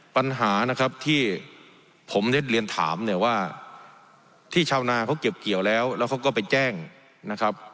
ปัญหานะครับที่ผมได้เรียนถามเนี่ยว่าที่ชาวนาเขาเก็บเกี่ยวแล้วแล้วเขาก็ไปแจ้งนะครับ